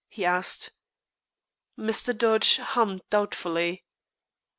he asked. Mr. Dodge hummed doubtfully.